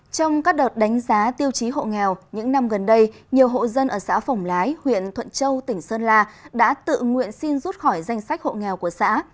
trong các đợt đánh giá tiêu chí hộ nghèo những năm gần đây nhiều hộ dân ở xã phổng lái huyện thuận châu tỉnh sơn la đã tự nguyện xin rút khỏi danh sách hộ nghèo của xã